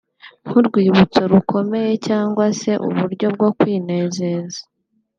nk’urwibutso rukomeye cyangwa se uburyo bwo kwinezeza